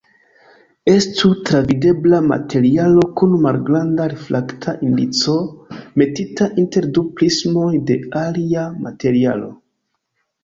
Estu travidebla materialo kun malgranda refrakta indico, metita inter du prismoj de alia materialo.